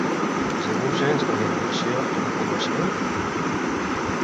Jebús és la denominació d'una població?